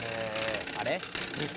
あれ？